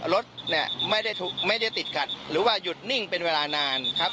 รถเนี่ยไม่ได้ติดขัดหรือว่าหยุดนิ่งเป็นเวลานานครับ